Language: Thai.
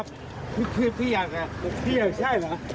พี่อยากนะพี่อยากใช่เหรอ